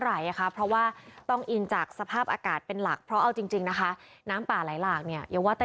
แล้วเขาบอกว่าเป็นผู้ชายเชิงส่งโรงพยาบาลแล้ว